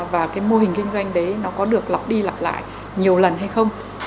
và cái mô hình kinh doanh đấy nó có được lặp đi lặp lại nhiều lần hay không